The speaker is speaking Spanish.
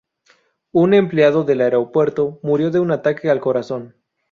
Un empleado del aeropuerto murió de un ataque al corazón.